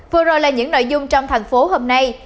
vừa rồi là những nội dung trong thành phố hôm nay